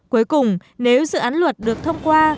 cuối cùng nếu dự án luật được thông qua